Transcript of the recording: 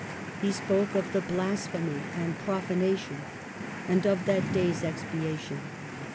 He spoke of the blasphemy and profanation, and of that day's expiation.